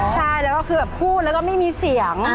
ใช่แล้วก็คือแบบพูดแล้วก็ไม่มีเสียง